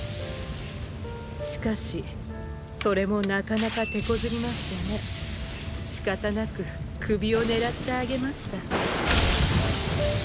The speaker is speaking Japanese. しかしそれもなかなか手こずりましてね仕方なく首を狙ってあげました。